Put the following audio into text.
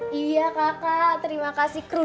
kapan levawari dulu mau ke